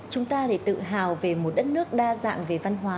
chúng ta thì tự hào về một đất nước đa dạng về văn hóa